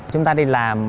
chúng ta đi làm